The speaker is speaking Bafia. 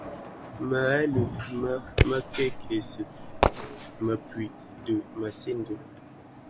Mërèli më mè kèkèsi mëpuid dhi mësinden.